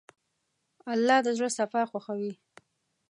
الله د زړه صفا خوښوي.